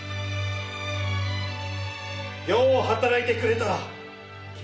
よう働いてくれた。